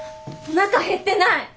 おなか減ってない！